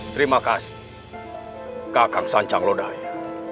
terima kasih kakang sancang lodaya